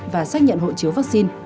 và xác nhận hộ chiếu vaccine